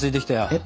えっ？